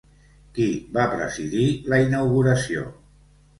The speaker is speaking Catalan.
Qui va presidir la inauguració?